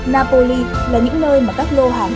napoli là những nơi mà các lô hàng